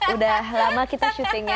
udah lama kita syuting ya